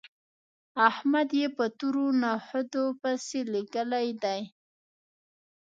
احمد يې په تورو نخودو پسې لېږلی دی